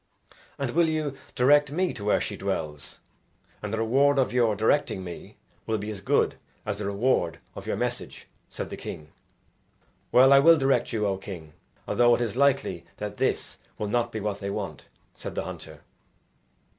"And will you direct me to where she dwells? and the reward of your directing me will be as good as the reward of your message," said the king. "Well, I will direct you, O king, although it is likely that this will not be what they want," said the hunter.